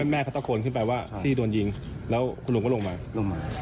แม่ทัชโฮนขึ้นไปว่าสี่โดนยิงแล้วลุงก็ลงมา